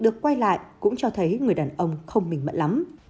nhưng khi quay lại cũng cho thấy người đàn ông không bình mận lắm